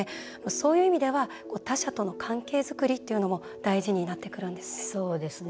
そういう意味では他者との関係作りというのが大事になってくるんですか。